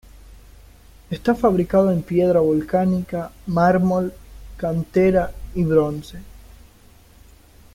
Está fabricado en piedra volcánica, mármol, cantera y bronce.